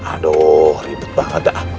aduh ribet banget ah